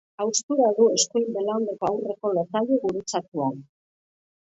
Haustura du eskuin belauneko aurreko lotailu gurutzatuan.